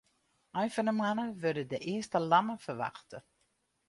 Ein fan 'e moanne wurde de earste lammen ferwachte.